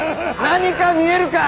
何か見えるかァ